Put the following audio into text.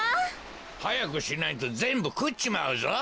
はやくしないとぜんぶくっちまうぞ。